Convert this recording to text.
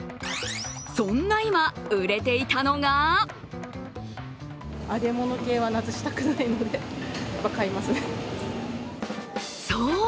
そんな今、売れていたのがそう！